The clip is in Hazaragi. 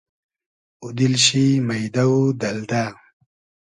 اوو دیل شی مݷدۂ و دئلدۂ